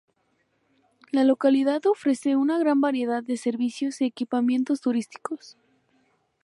La localidad ofrece una gran variedad de servicios y equipamientos turísticos.